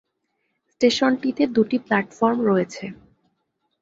স্টেশনটিতে দুটি প্ল্যাটফর্ম রয়েছে।